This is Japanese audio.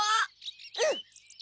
うん！